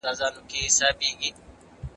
د دلارام دښتې ته چي لمر لوېږي نو رنګ یې ژیړ سي